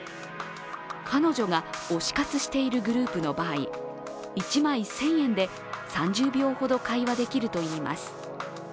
彼女が推し活しているグループの場合、１枚１０００円で３０秒ほど会話できるといいます。